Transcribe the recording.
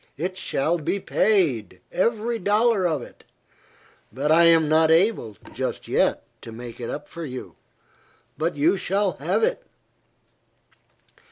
It shall be paid, every dollar of it; but I am not able, just yet, to make it up for you. But you shall have it."